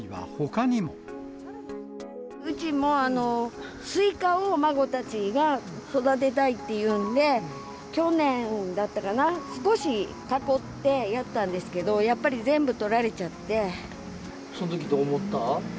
うちも、スイカを孫たちが育てたいっていうんで、去年だったかな、少し囲ってやったんですけそのときどう思った？